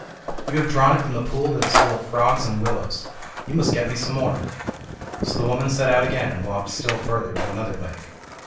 "You have drawn it from the pool that is full of frogs and willows; you must get me some more." So the woman set out again and walked still further to another lake.